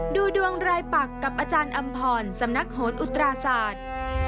ดูดวงรายปักกับอาจารย์อำพรสำนักโหนอุตราศาสตร์